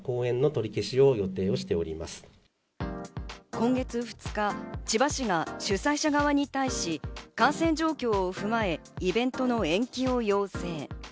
今月２日、千葉市が主催者側に対し、感染状況を踏まえ、イベントの延期を要請。